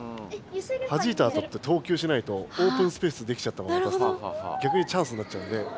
はじいたあとって投球しないとオープンスペースできちゃったら逆にチャンスになっちゃうので。